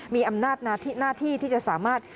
มีอำนาจหน้าที่ที่จะสามารถ